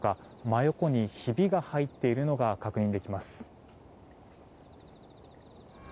真横にひびが入っているのが確認できます。